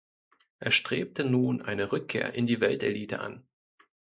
Er strebte nun eine Rückkehr in die Weltelite an.